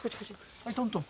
はいトントン。